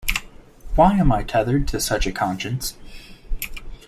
Why am I tethered to such a conscience?